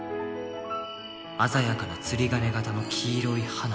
鮮やかな釣り鐘形の黄色い花。